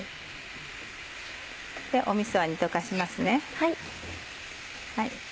みそは煮溶かします。